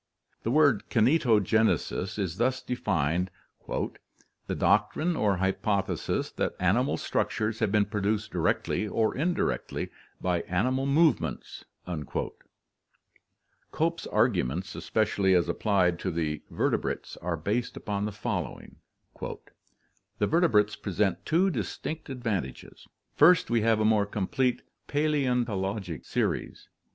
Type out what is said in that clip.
The word kinetogenesis (Gr. tcivrjTfc, movable, and yiveais, production) is thus defined: "The doctrine or hypothesis that animal structures have been produced directly or indirectly, by animal movements." Cope's arguments, especially as applied to the vertebrates, are based upon the following: The vertebrates present two distinct advantages. First, we have a more complete paleontologic series.